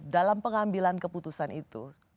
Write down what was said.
dalam pengambilan keputusan itu